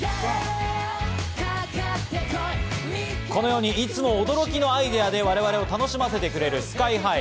このように、いつも驚きのアイデアで我々を楽しませてくれるＳＫＹ−ＨＩ。